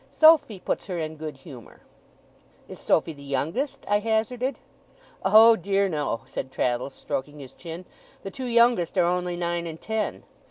Sophy puts her in good humour!' 'Is Sophy the youngest?' I hazarded. 'Oh dear, no!' said Traddles, stroking his chin. 'The two youngest are only nine and ten.